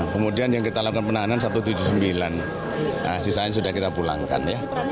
tiga ratus enam puluh lima kemudian yang kita lakukan penahanan satu ratus tujuh puluh sembilan sisanya sudah kita pulangkan